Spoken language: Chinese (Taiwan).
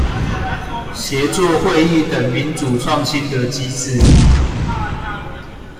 協作會議等民主創新的機制